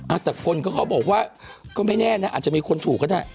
อ่ะแต่คนเขาก็บอกว่าก็ไม่แน่นะอาจจะมีคนถูกก็ได้